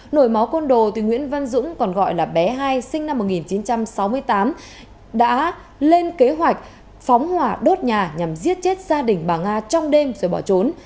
nổi máu côn đồ nguyễn văn dũng còn gọi là bé hai sinh năm một nghìn chín trăm sáu mươi tám đã lên kế hoạch phóng hỏa đốt nhà nhằm giết chết gia đình bà nga trong đêm rồi bỏ trốn